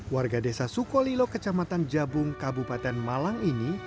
warga desa sukolilo kecamatan jabung kabupaten malang ini